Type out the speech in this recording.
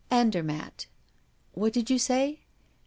"Andermatt." "What did you say?"